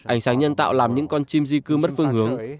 ánh sáng nhân tạo làm những con chim di cư mất phương hướng